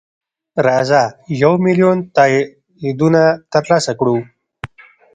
راځه یو میلیون تاییدونه ترلاسه کړو.